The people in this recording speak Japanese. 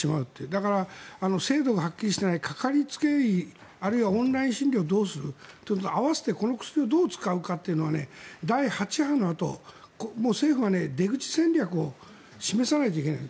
だから制度がはっきりしていないかかりつけ医あるいはオンライン診療をどうするかってのと合わせてこの薬をどう使うかというのは第８波のあともう政府が出口戦略を示さないといけない。